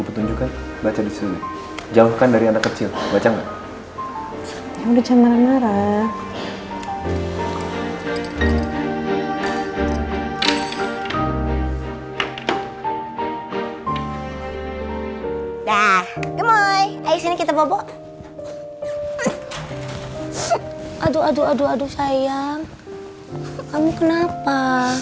aduh aduh aduh aduh sayang kamu kenapa